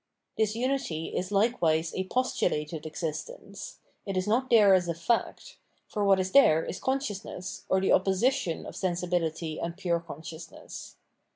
This unity is likewise a postulated existence ; it is not there as a fact ; for what is there is consciousness, or the opposition of sensibility and pure consciousness.